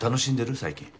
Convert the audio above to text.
最近。